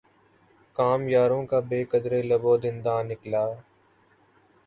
کام یاروں کا بہ قدرٕ لب و دنداں نکلا